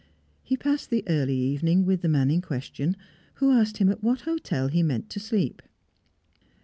He passed the early evening with the man in question, who asked him at what hotel he meant to sleep.